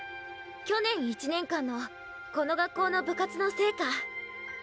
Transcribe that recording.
去年１年間のこの学校の部活の成果。